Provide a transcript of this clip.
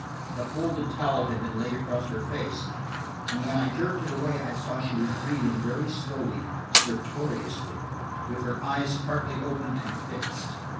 A folded towel had been laid across her face, and when I jerked it away I saw she was breathing very slowly, stertorously, with her eyes partly open ad fixed.